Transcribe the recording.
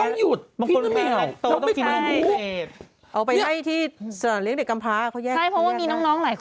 ต้องหยุดพี่น้องแม่